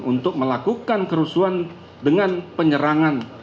untuk melakukan kerusuhan dengan penyerangan